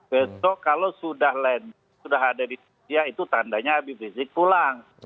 besok kalau sudah ada di media itu tandanya habib rizik pulang